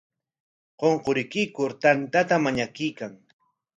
Qunqurikuykur tantata mañakuykan.